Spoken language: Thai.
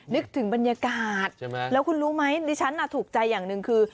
นึกถึงบรรยากาศใช่ไหมแล้วคุณรู้ไหมดิฉันถูกใจอย่างหนึ่งคือ